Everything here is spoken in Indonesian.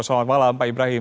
selamat malam pak ibrahim